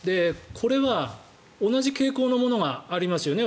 これは同じ傾向のものがありますよね